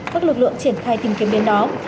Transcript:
các lực lượng triển khai tìm kiếm đến đó